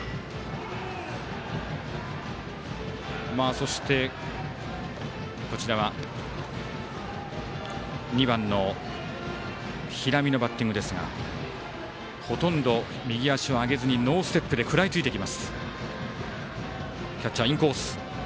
そして２番の平見のバッティングですがほとんど、右足を上げずにノーステップで食らいつきます。